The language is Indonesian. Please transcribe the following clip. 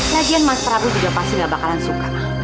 kajian mas prabu juga pasti nggak bakalan suka